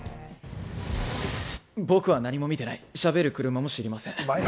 僕は何も見てない、喋る車も知りません。